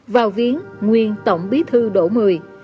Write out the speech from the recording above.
vào viếng nguyên tổng bí thư đỗ mười